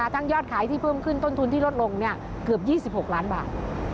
ยอดขายที่เพิ่มขึ้นต้นทุนที่ลดลงเกือบ๒๖ล้านบาท